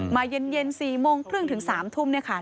มาเย็น๔โมงเพิ่งถึง๓ทุ่มเนี่ยค่ะ